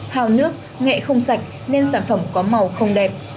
hào nước nghệ không sạch nên sản phẩm có màu không đẹp